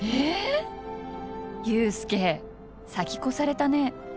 裕介先越されたネ。